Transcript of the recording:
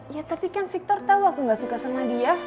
ya tapi kan victor tahu aku gak suka sama dia